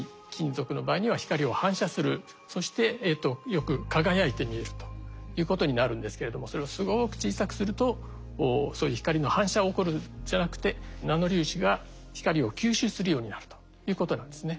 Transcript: そしてよく輝いて見えるということになるんですけれどもそれをすごく小さくするとそういう光の反射が起こるんじゃなくてナノ粒子が光を吸収するようになるということなんですね。